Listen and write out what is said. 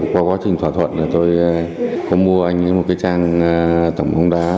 qua quá trình thỏa thuận tôi có mua anh một trang tổng bóng đá